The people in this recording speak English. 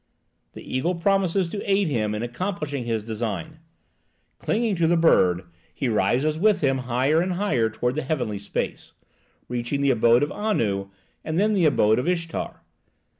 The eagle promises to aid him in accomplishing his design. Clinging to the bird, he rises with him higher and higher toward the heavenly space, reaching the abode of Anu, and then the abode of Ishtar.